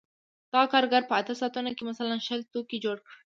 دغه کارګر په اته ساعتونو کې مثلاً شل توکي جوړ کړي